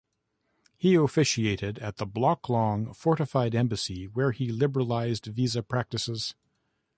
He officiated at the block-long, fortified embassy where he liberalized visa practices.